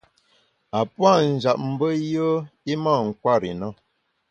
A puâ’ njap mbe yùe i mâ nkwer i na.